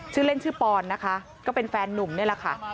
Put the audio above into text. ชื่อเล่นชื่อปอนนะคะก็เป็นแฟนนุ่มนี่แหละค่ะ